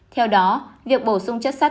theo đó việc bổ sung chất sắt